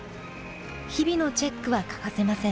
日々のチェックは欠かせません。